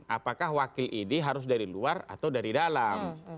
apakah wakil ini harus dari luar atau dari dalam